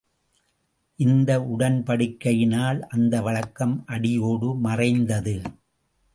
இந்த உடன்படிக்கையினால், அந்த வழக்கம் அடியோடு மறைந்தது.